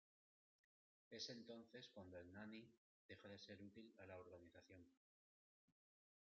Es entonces cuando el Nani deja de ser útil a la organización.